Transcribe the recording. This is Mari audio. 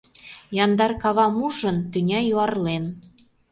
Яндар кавам ужын, тӱня юарлен.